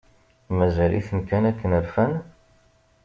Mazal-iten kan akken rfan?